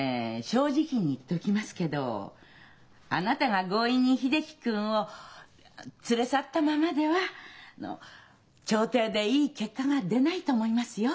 正直に言っておきますけどあなたが強引に秀樹君を連れ去ったままでは調停でいい結果が出ないと思いますよ。